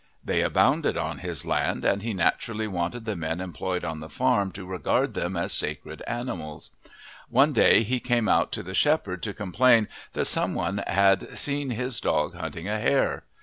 They abounded on his land, and he naturally wanted the men employed on the farm to regard them as sacred animals. One day he came out to the shepherd to complain that some one had seen his dog hunting a hare.